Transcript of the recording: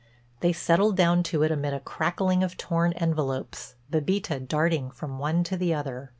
They settled down to it amid a crackling of torn envelopes, Bébita darting from one to the other.